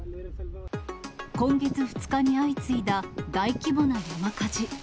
今月２日に相次いだ、大規模な山火事。